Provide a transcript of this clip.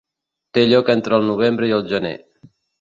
Té lloc entre el novembre i el gener.